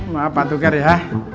maaf pak tukar ya